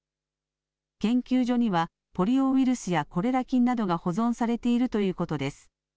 研究所にはポリオウイルスやコレラ菌などが保存されているということです。